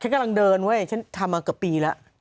กำลังเดินเว้ยฉันทำมาเกือบปีแล้ว